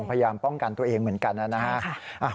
ทำไมเราต้องแทนเขาด้วยไอ้น้องบอกพี่ไหล่ดิ